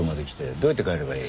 どうやって帰ればいい？